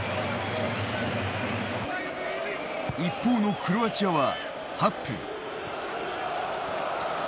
一方のクロアチアは８分。